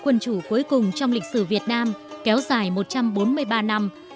quân chủ cuối cùng trong lịch sử việt nam kéo dài một trăm bốn mươi ba năm